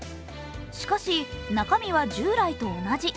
しかし、中身は従来と同じ。